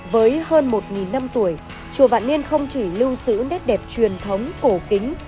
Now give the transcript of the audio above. với hơn một năm tuổi chùa vạn liên không chỉ lưu sữ nét đẹp truyền thống cổ kính